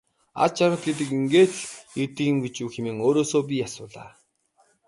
Аз жаргал гэдэг ингээд л ирдэг юм гэж үү хэмээн өөрөөсөө би асуулаа.